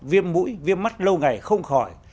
viêm mũi viêm mắt lâu ngày không khỏi